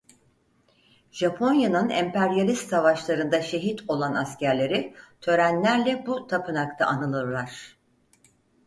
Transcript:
Japonya'nın emperyalist savaşlarında şehit olan askerleri törenlerle bu tapınakta anılırlar.